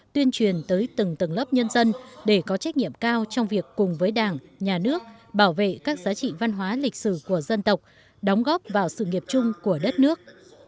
tuyên truyền tới từng tầng lớp nhân dân để có trách nhiệm cao trong việc cùng với đảng nhà nước bảo vệ các giá trị văn hóa lịch sử của dân tộc đóng góp vào sự nghiệp chung của đất nước